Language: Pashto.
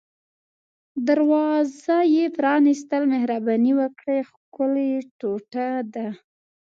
دروازه یې پرانیستل، مهرباني وکړئ، ښکلې کوټه ده.